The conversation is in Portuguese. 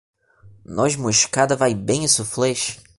Noz-moscada vai bem em suflês